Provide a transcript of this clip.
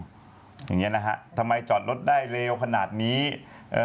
อย่างเงี้นะฮะทำไมจอดรถได้เร็วขนาดนี้เอ่อ